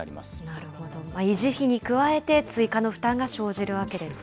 なるほど、維持費に加えて、追加の負担が生じるわけですね。